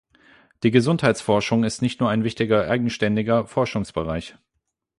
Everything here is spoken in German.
Die Gesundheitsforschung ist nicht nur ein wichtiger eigenständiger Forschungsbereich.